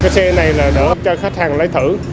xe này là đỡ cho khách hàng lấy thử